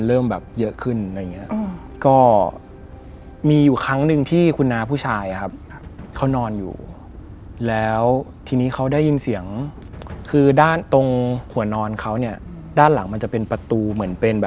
เรื่องของความเชื่อก่อน